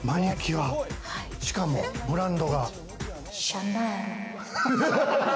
しかもブランドが。